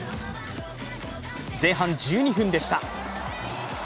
前半１２分でした。